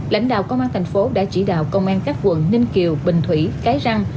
lãnh đạo công an thành phố đã chỉ đạo công an các quận ninh kiều bình thủy cái răng